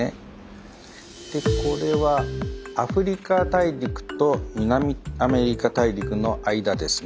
これはアフリカ大陸と南アメリカ大陸の間ですね。